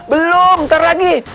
belum ntar lagi